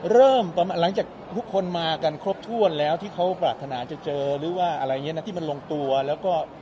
เริ่มตอนหลังจากทุกคนมากันครบถ้วนแล้วที่เขาปรารถนาจะเจอหรือว่าอะไรอย่างนี้นะที่มันลงตัวแล้วก็